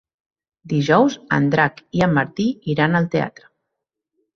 Dijous en Drac i en Martí iran al teatre.